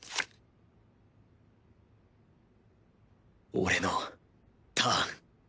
俺のターン！